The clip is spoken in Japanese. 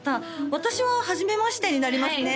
私ははじめましてになりますね